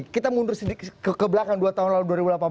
kita mundur sedikit ke belakang dua tahun lalu dua ribu delapan belas